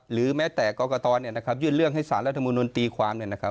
หรือแม้แต่กรกตยื่นเรื่องให้สารรัฐมนุนตีความ